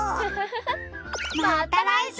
また来週！